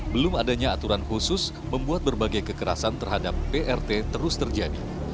belum adanya aturan khusus membuat berbagai kekerasan terhadap prt terus terjadi